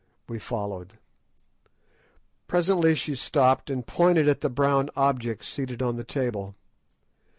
We followed. Presently she stopped and pointed at the brown object seated on the table.